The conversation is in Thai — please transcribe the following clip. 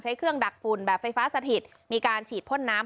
ใช้เครื่องดักฝุ่นแบบไฟฟ้าสถิตมีการฉีดพ่นน้ำ